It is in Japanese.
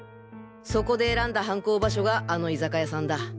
そこで選んだ犯行場所があの居酒屋さんだ。